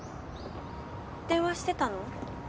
電話してたの？